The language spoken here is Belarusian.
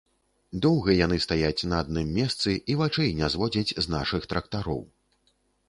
Доўга яны стаяць на адным месцы і вачэй не зводзяць з нашых трактароў.